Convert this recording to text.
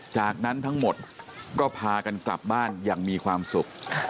จากนั้นทั้งหมดก็พากันกลับบ้านอย่างมีความสุข